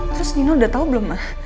terus nino udah tahu belum